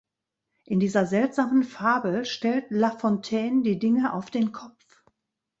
In dieser seltsamen Fabel stellt La Fontaine die Dinge auf den Kopf.